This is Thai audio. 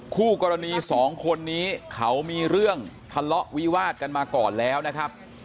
คู่กรณีสองคนนี้เขามีเรื่องทะเลาะวิวาดกันมาก่อนแล้วนะครับ